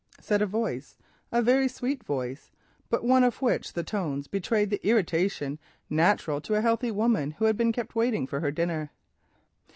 said a voice, a very sweet voice, but one of which the tones betrayed the irritation natural to a healthy woman who has been kept waiting for her dinner.